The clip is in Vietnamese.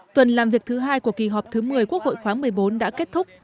tuần làm việc thứ hai của kỳ họp thứ một mươi quốc hội khóa một mươi bốn đã kết thúc